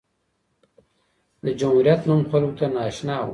د جمهوریت نوم خلکو ته نااشنا و.